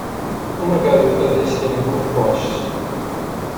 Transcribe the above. Uma garota descendo um poste